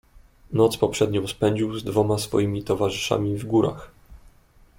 "Noc poprzednią spędził z dwoma swoimi towarzyszami w górach."